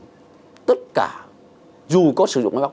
giả dù có sử dụng máy bóc